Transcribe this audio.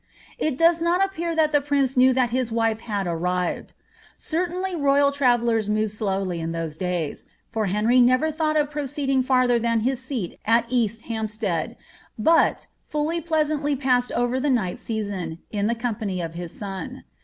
'' It does not appear that the prince knew that his wife had ar rived. Certainly royal travellers moved slowly in those days, for Henir never thought of proceeding fiurther than his seat at East Hampeteadi ,^ but full pleasantly passed over that night season^' in the company of . lis son.